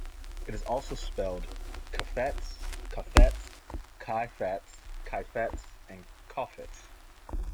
It is also spelled Chafets, Chaffetz, Chaifetz, Cheifetz, Chofets.